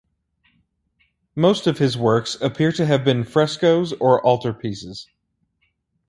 Most of his works appear to have been frescoes or altarpieces.